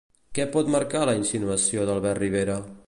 Què pot marcar la insinuació d'Albert Rivera?